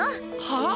はあ！？